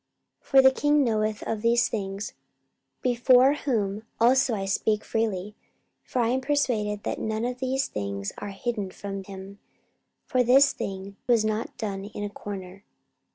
44:026:026 For the king knoweth of these things, before whom also I speak freely: for I am persuaded that none of these things are hidden from him; for this thing was not done in a corner.